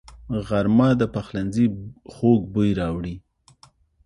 غرمه د پخلنځي خوږ بوی راوړي